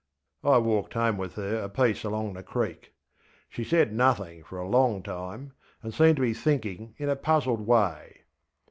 ŌĆÖ I walked home with her a piece along the creek. She said nothing for a long time, and seemed to be thinking in a puzzled way.